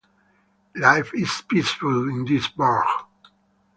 Life is peaceful in this burg.